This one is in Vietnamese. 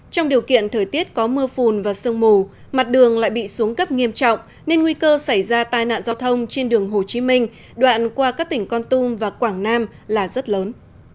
trong điều kiện thời tiết có mưa phùn và sương mù mặt đường lại bị xuống cấp nghiêm trọng nên nguy cơ xảy ra tai nạn giao thông trên đường hồ chí minh đoạn qua các tỉnh con tum và quảng nam là rất lớn